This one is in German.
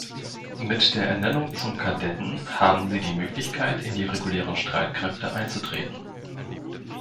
Mit der Ernennung zum Kadetten haben sie die Möglichkeit in die regulären Streitkräfte einzutreten.